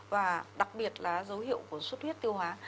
và đặc biệt là dấu hiệu của suất huyết tiêu hóa